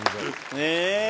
ねえ！